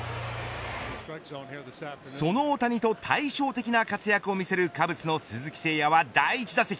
その大谷と対照的な活用を見せるカブスの鈴木誠也は第１打席。